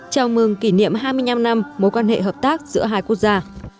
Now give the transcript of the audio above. chào mừng kỷ niệm hai mươi năm năm mối quan hệ hợp tác giữa hai quốc gia